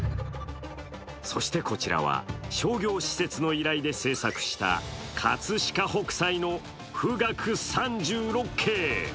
そしてこちらは商業施設の依頼で制作した葛飾北斎の「冨嶽三十六景」。